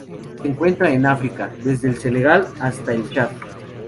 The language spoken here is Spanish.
Se encuentran en África: desde el Senegal hasta el Chad.